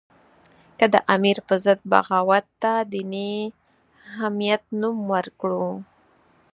که د امیر په ضد بغاوت ته دیني حمیت نوم ورکړو.